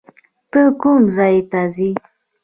ته کوم ځای ته ځې؟